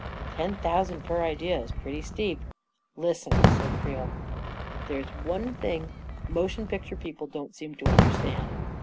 44 Ten thousand per idea is pretty steep." 44 Listen," said Creel. 44 There is one thing mo tion picture people don't seem to understand.